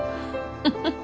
フフフ。